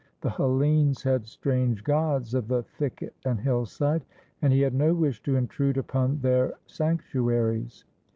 The Hellenes had strange gods of the thicket and hillside, and he had no wish to intrude upon their sanc tuaries.